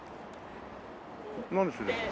何するの？